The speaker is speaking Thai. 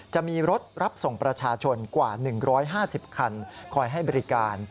จะมีรถรับส่งประชาชนกว่า๑๕๐คันคอยให้บริการ